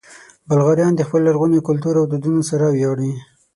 بلغاریان د خپل لرغوني کلتور او دودونو سره ویاړي.